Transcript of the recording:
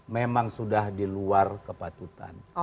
memang sudah diluar kepatutan